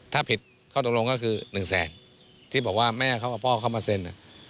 ถ้าผิดข้อตกลงก็คือหนึ่งแสนที่บอกว่าแม่เขากับพ่อเขามาเซ็น